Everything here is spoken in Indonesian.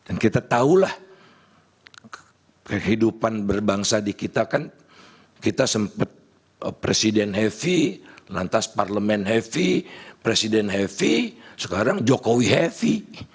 dan kita tahulah kehidupan berbangsa di kita kan kita sempat presiden heavy lantas parlemen heavy presiden heavy sekarang jokowi heavy